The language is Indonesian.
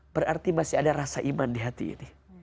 berarti masih ada rasa iman di hati ini